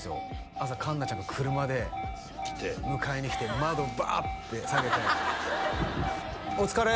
朝環奈ちゃんが車で迎えに来て窓バーッて下げて「お疲れ！」